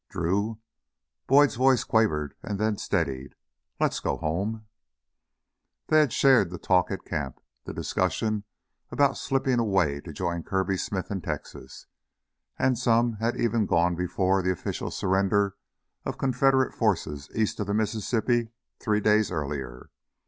"Drew " Boyd's voice quavered and then steadied, "let's go home...." They had shared the talk at camp, the discussion about slipping away to join Kirby Smith in Texas, and some had even gone before the official surrender of Confederate forces east of the Mississippi three days earlier.